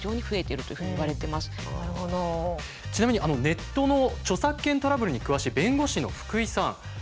ちなみにネットの著作権トラブルに詳しい弁護士の福井さん。